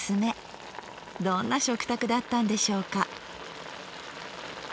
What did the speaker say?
どんな食卓だったんでしょうか。